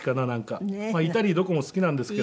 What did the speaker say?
イタリーどこも好きなんですけど。